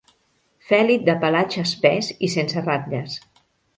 Fèlid de pelatge espès i sense ratlles.